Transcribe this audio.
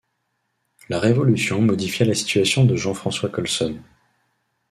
La Révolution modifia la situation de Jean-François Colson.